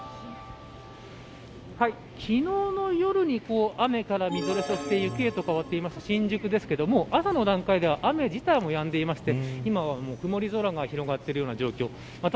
昨日の夜に雨からみぞれそして雪へと変わっている新宿ですが朝の段階では雨自体もやんでいまして今は、曇り空が広がっているような状況。